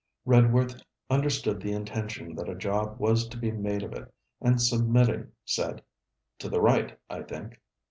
Redworth understood the intention that a job was to be made of it, and submitting, said: 'To the right, I think.'